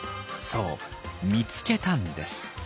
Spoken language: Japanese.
そう「見つけた」んです。